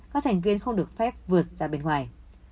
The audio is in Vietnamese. các thành viên không được phép vượt ra bên ngoài